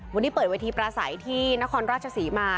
วันนี้เปิดวัยทีประสัยที่นครราชสีมา